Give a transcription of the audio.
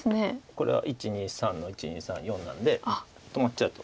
これは１２３の１２３４なんで止まっちゃうと。